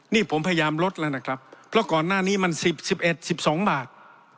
นี่ผมพยายามลดแล้วนะครับเพราะก่อนหน้านี้มันสิบสิบเอ็ดสิบสองบาท